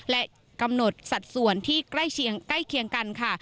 และกำหนดสัดส่วนที่ใกล้เคียงกันค่ะ